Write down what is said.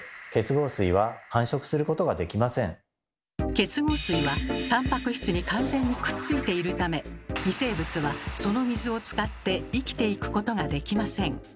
結合水はたんぱく質に完全にくっついているため微生物はその水を使って生きていくことができません。